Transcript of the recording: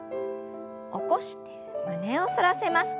起こして胸を反らせます。